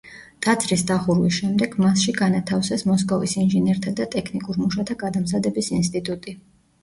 ტაძრის დახურვის შემდეგ მასში განათავსეს მოსკოვის ინჟინერთა და ტექნიკურ მუშათა გადამზადების ინსტიტუტი.